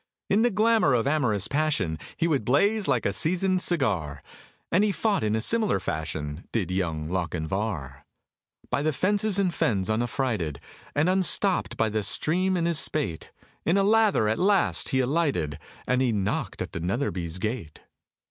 In the glamour of amorous passion He would blaze like a seasoned cigar; And he fought in a similar fashion, Did Young Lochinvar! By the fences and fens unaffrighted, And unstopt by the stream in its spate, In a lather, at last, he alighted, And he knocked at the Netherbys' gate.